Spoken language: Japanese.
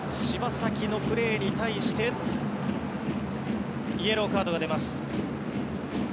柴崎のプレーに対してイエローカードが出ます。